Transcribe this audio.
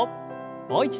もう一度。